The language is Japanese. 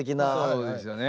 そうですよね。